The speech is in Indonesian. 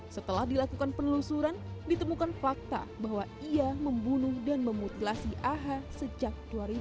setelah dilakukan penelusuran ditemukan fakta bahwa ia membunuh dan memutilasi ah sejak dua ribu dua puluh satu